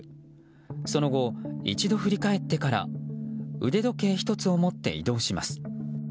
その後、一度振り返ってから腕時計１つを持って移動します。